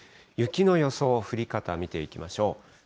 雪の予想、降り方見ていきましょう。